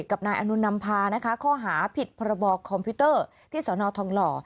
กับนายอนุนำพานะคะข้อหาผิดพรบคอมพิวเตอร์ที่สนทองหล่อ